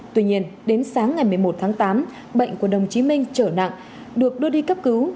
tuy nhiên đến sáng ngày một mươi một tháng tám bệnh của đồng chí minh trở nặng được đưa đi cấp cứu